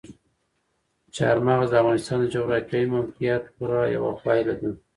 چار مغز د افغانستان د جغرافیایي موقیعت پوره یوه پایله ده.